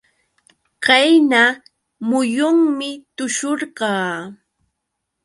Qayna muyunmi tushurqaa.